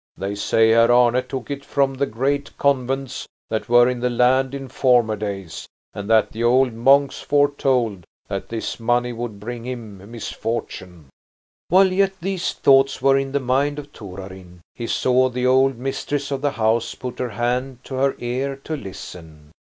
They say Herr Arne took it from the great convents that were in the land in former days, and that the old monks foretold that this money would bring him misfortune." While yet these thoughts were in the mind of Torarin, he saw the old mistress of the house put her hand to her ear to listen.